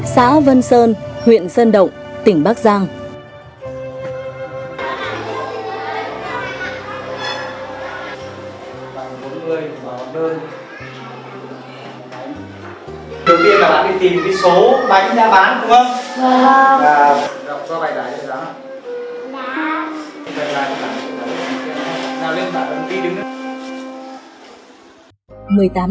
xã vân sơn huyện sơn động tỉnh bắc giang